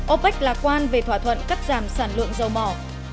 opec lạc quan về thỏa thuận cắt giảm sản lượng dầu mỏ